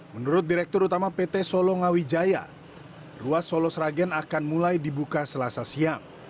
menurut direktur utama pt solongawijaya ruas solo sragen akan mulai dibuka selasa siang